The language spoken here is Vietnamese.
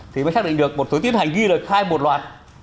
thì mới xác định được một số tiến hành ghi lời khai một loạt